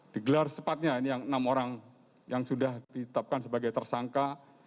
digelar sepatnya ini yang enam orang yang sudah ditetapkan sebagai tersangka